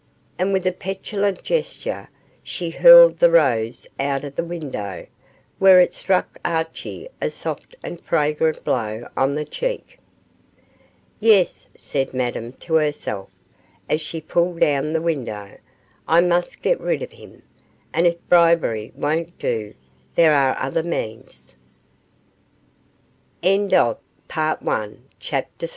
And with a petulant gesture she hurled the rose out of the window, where it struck Archie a soft and fragrant blow on the cheek. 'Yes,' said Madame to herself, as she pulled down the window, 'I must get rid of him, and if bribery won't do there are